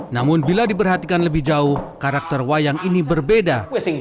namun bila diperhatikan lebih jauh karakter wayang ini berbeda